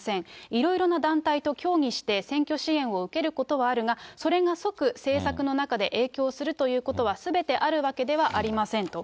いろいろな団体と協議して選挙支援を受けることはあるが、それが即政策の中で影響するということはすべてあるわけではありませんと。